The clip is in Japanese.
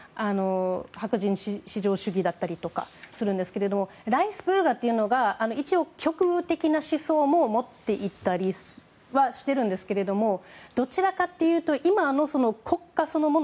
白人至上主義だったりとかするんですけれどもライヒスビュルガーというのが一応極右的な思想も持っていたりはしてるんですけどもどちらかというと今の国家そのもの